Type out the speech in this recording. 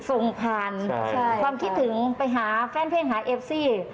ส่งผ่านความคิดถึงไปหาแฟนเพลงหาเอฟซี่